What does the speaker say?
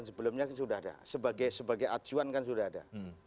sebagai ajuan kan sudah ada